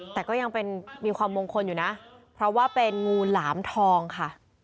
แต่ก็ยังเป็นมีความมงคลอยู่นะเพราะว่าเป็นงูหลามทองค่ะ